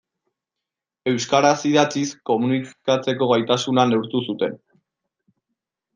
Euskaraz idatziz komunikatzeko gaitasuna neurtu zuten.